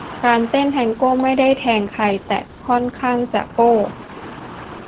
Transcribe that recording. การเต้นแทงโก้ ไม่ได้แทงใคร แต่ค่อนข้างจะโก้